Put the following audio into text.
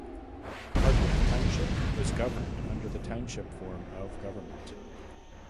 Hardwick Township is governed under the Township form of government.